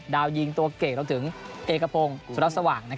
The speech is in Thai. ดาวยิงตัวเกรกเราถึงเอ๊กะโพงสุราชสว่าง